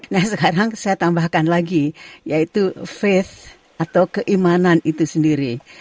nah sekarang saya tambahkan lagi yaitu face atau keimanan itu sendiri